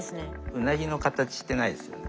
ウナギの形してないですよね。